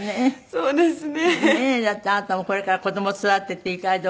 そうですね。